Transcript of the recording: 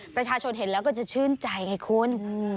ประชาชนเห็นแล้วก็จะชื่นใจไงคุณ